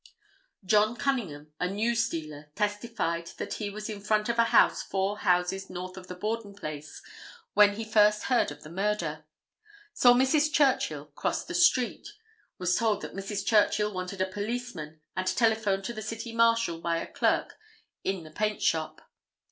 John Cunningham, a newsdealer, testified that he was in front of a house four houses north of the Borden place when he first heard of the murder. Saw Mrs. Churchill cross the street. Was told that Mrs. Churchill wanted a policeman and telephoned to the City Marshal by a clerk in the paint shop.